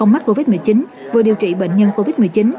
mắc covid một mươi chín vừa điều trị bệnh nhân covid một mươi chín